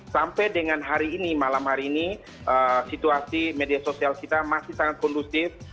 sampai dengan hari ini malam hari ini situasi media sosial kita masih sangat kondusif